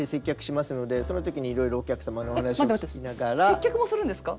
接客もするんですか？